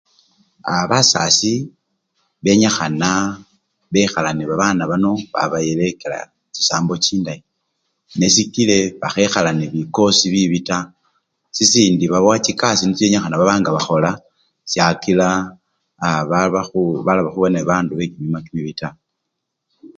A! basasi benyikhana bekhala nebabana bano babalekela chisambo chindayi nesikile bakhekhala nende bikosi bibii taa, sisindi babawe chikasi chesi benyikhana nga bakhola siakila aa! baba! aa! baloba khuba nebabandu bekimima kimibii taa.